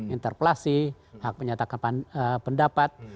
interpelasi hak menyatakan pendapat